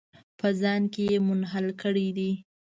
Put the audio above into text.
په ځان کې یې منحل کړي دي.